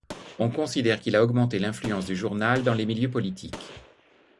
On considère qu'il a augmenté l'influence du journal dans les milieux politiques.